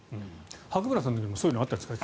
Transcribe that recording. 白村さんの時もそういうのはあったんですか。